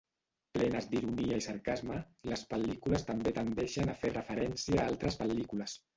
Plenes d'ironia i sarcasme, les pel·lícules també tendeixen a fer referència a altres pel·lícules.